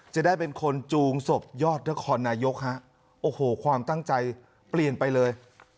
จะได้เป็นคนจูงศพยอดนครนายกฮะโอ้โหความตั้งใจเปลี่ยนไปเลย